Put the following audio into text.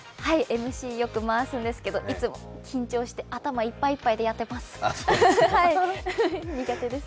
ＭＣよく回すんですけどいつも緊張して頭いっぱいいっぱいでやってます、苦手です。